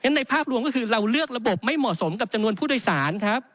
ในภาพรวมก็คือเราเลือกระบบไม่เหมาะสมกับจำนวนผู้โดยสารครับ